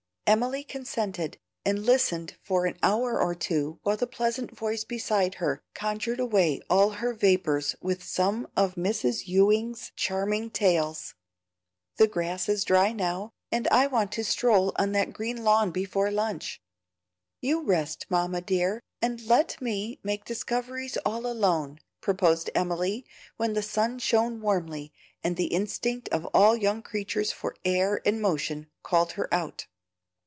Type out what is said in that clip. Emily consented, and listened for an hour or two while the pleasant voice beside her conjured away all her vapors with some of Mrs. Ewing's charming tales. "The grass is dry now, and I want to stroll on that green lawn before lunch. You rest, Mamma dear, and let me make discoveries all alone," proposed Emily, when the sun shone warmly, and the instinct of all young creatures for air and motion called her out.